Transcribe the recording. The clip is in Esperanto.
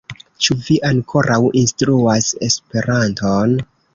Ĉu vi ankoraŭ instruas Esperanton?